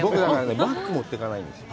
バッグ持っていかないんですよ。